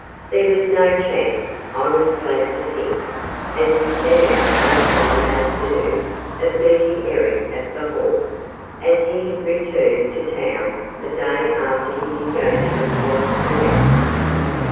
There was no chance, I was glad to think, as we set out on Sunday afternoon, of meeting Eric at the Hall, as he had returned to town the day after his engagement was announced.